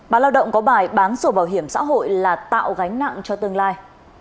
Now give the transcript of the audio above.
báo lao động có bài bán sổ bảo hiểm xã hội là tạo gánh nặng cho tương lai